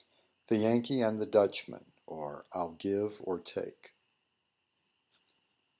THE YANKEE AND THE DUTCHMAN; OR, I'LL GIVE OR TAKE.